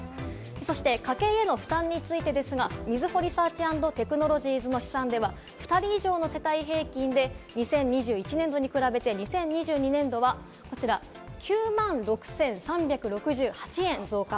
そして家計の負担についてですが、みずほリサーチ＆テクノロジーズの試算では、２人以上の世帯平均で２０２１年度に比べて、２０２２年度はこちら、９万６３６８円増加。